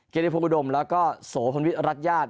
เกรดิพลกุฎมแล้วก็โสพลวิทรัฐญาติ